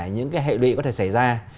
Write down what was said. những hệ lụy có thể xảy ra